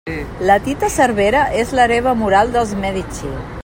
La Tita Cervera és l'hereva moral dels Medici.